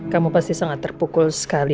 kamu pasti sangat terpukul sekali